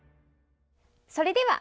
それでは。